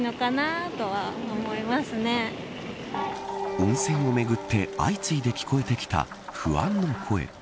温泉をめぐって相次いで聞こえてきた不安の声。